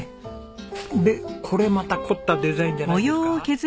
でこれまた凝ったデザインじゃないですか？